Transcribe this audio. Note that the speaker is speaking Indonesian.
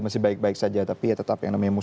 masih baik baik saja tapi tetap yang namanya musim